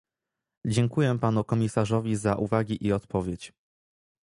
Dziękuję panu komisarzowi za uwagi i odpowiedź